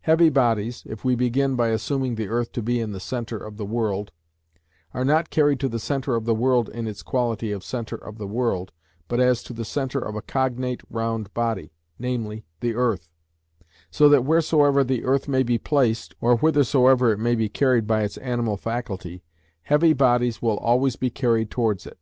Heavy bodies (if we begin by assuming the earth to be in the centre of the world) are not carried to the centre of the world in its quality of centre of the world, but as to the centre of a cognate round body, namely, the earth; so that wheresoever the earth may be placed, or whithersoever it may be carried by its animal faculty, heavy bodies will always be carried towards it.